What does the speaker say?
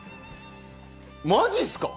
マジっすか？